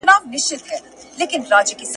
تاسو باید تل پاک کالي واغوندئ.